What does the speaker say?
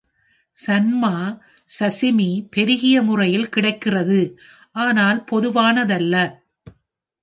"Sharma" sashimi பெருகிய முறையில் கிடைக்கிறது, ஆனால் பொதுவானதல்ல.